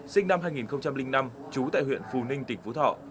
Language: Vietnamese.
sinh năm hai nghìn năm trú tại huyện phù ninh tỉnh phú thọ